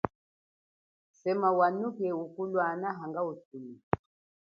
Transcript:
Sema wanuke ukulwana utume.